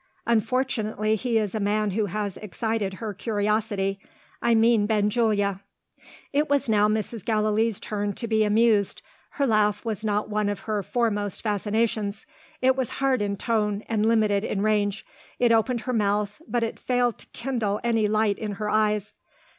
"Unfortunately, he is a man who has excited her curiosity. I mean Benjulia." It was now Mrs. Gallilee's turn to be amused. Her laugh was not one of her foremost fascinations. It was hard in tone, and limited in range it opened her mouth, but it failed to kindle any light in her eyes.